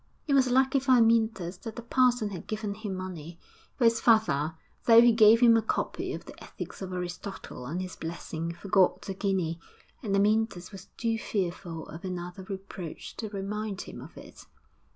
It was lucky for Amyntas that the parson had given him money, for his father, though he gave him a copy of the Ethics of Aristotle and his blessing, forgot the guinea; and Amyntas was too fearful of another reproach to remind him of it.